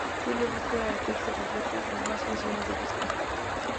Tiene búsqueda de texto completo y más funciones de búsqueda.